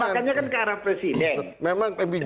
jadi tembakannya kan ke arah presiden